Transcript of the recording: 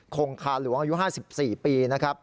คงคาหลวงอายุ๕๔ปีนะครับ